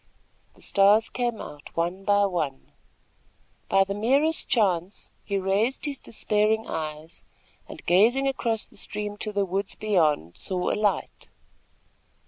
The stars came out one by one. By the merest chance, he raised his despairing eyes and, gazing across the stream to the woods beyond, saw a light.